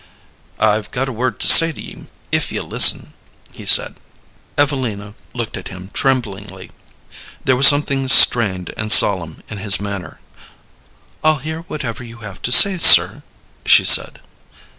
"I've got a word to say to ye, if ye'll listen," he said. Evelina looked at him tremblingly. There was something strained and solemn in his manner. "I'll hear whatever you have to say, sir," she said.